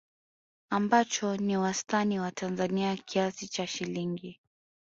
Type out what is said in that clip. ambacho ni wastani wa Tanzania kiasi cha shilingi